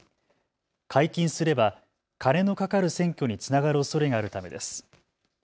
解禁すれば金のかかる選挙につながるおそれがあるためです。